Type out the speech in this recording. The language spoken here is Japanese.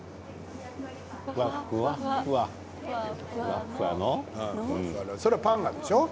ふわふわふわそれはパンがでしょう？